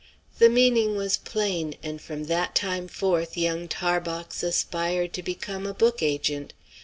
The meaning was plain, and from that time forth young Tarbox aspired to become a book agent.